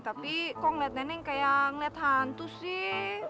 tapi kok liat neneng kayak liat hantu sih